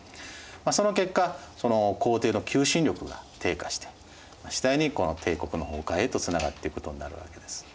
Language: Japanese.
その結果皇帝の求心力が低下して次第に帝国の崩壊へとつながっていくことになるわけです。